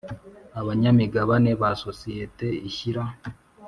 Abanyamigabane ba sosiyete ishyira